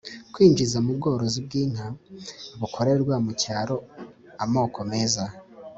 kwinjiza mu bworozi bw'inka bukorerwa mu cyaro amoko meza